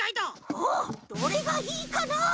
おっどれがいいかな？